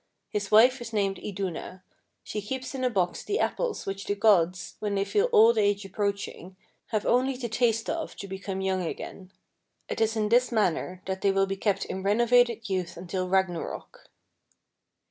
His wife is named Iduna. She keeps in a box the apples which the gods, when they feel old age approaching, have only to taste of to become young again. It is in this manner that they will be kept in renovated youth until Ragnarok."